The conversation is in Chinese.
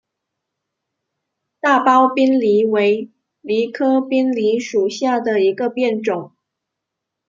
大苞滨藜为藜科滨藜属下的一个变种。